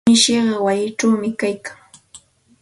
Mishiqa wayichawmi kaykan.